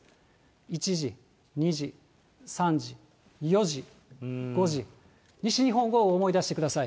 １時、２時、３時、４時、５時、西日本豪雨、思い出してください。